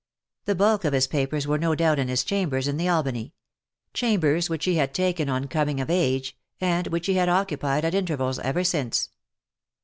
The bulk of his papers were no doubt in his chambers in the Albany; chambers which he had taken on (foming of age ; and which he had occupied at in tervals ever since.